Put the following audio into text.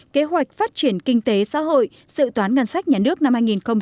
kế hoạch phát triển kinh tế xã hội sự toán ngân sách nhà nước năm hai nghìn một mươi bảy